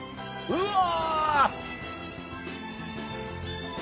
うわ！